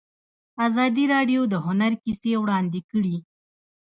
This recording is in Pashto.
ازادي راډیو د هنر کیسې وړاندې کړي.